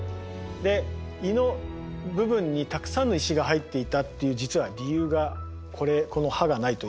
で胃の部分にたくさんの石が入っていたっていう実は理由がこれこの歯がないということなんですね。